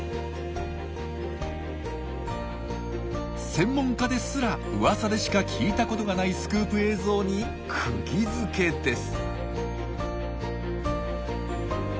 専門家ですらうわさでしか聞いたことがないスクープ映像にくぎづけです。